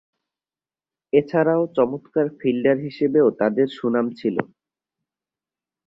এছাড়াও চমৎকার ফিল্ডার হিসেবেও তার সুনাম ছিল।